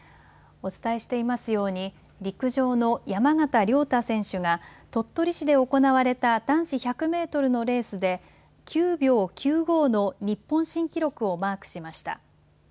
お伝えしていますように陸上の山縣亮太選手が鳥取市で行われた男子１００メートルのレースで９秒９５の日本新記録をマークしました。